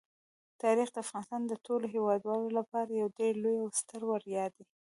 تاریخ د افغانستان د ټولو هیوادوالو لپاره یو ډېر لوی او ستر ویاړ دی.